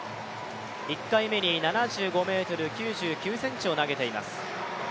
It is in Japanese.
１回目に７５ｍ９９ｃｍを投げています。